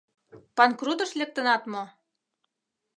— Панкрутыш лектынат мо?